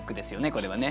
これはね。